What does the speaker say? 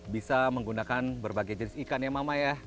bisa menggunakan berbagai jenis ikan ya mama ya